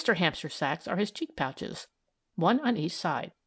Hamster's sacks are his cheek pouches, one on each side.